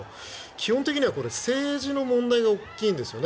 基本的には政治の問題が大きいんですよね。